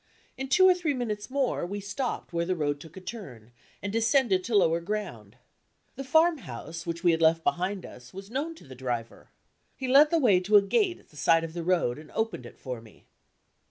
In two or three minutes more, we stopped where the road took a turn, and descended to lower ground. The farmhouse which we had left behind us was known to the driver. He led the way to a gate at the side of the road, and opened it for me.